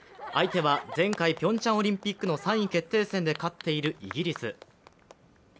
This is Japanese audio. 相手は前回ピョンチャンオリンピックの３位決定戦で勝っているイギリス。